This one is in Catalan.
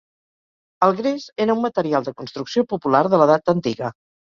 El gres era un material de construcció popular de l'edat antiga.